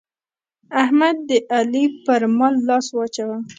احمد د علي پر مال لاس واچاوو.